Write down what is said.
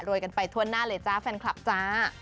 โรยกันไปถ้วนหน้าเลยจ๊ะแฟนคลับจ๊ะ